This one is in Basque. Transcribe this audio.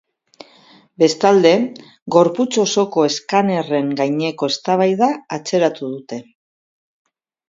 Bestalde, gorputz osoko eskanerren gaineko eztabaida atzeratu dute.